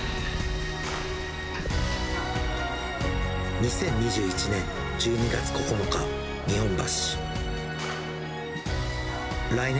２０２１年１２月９日、日本橋。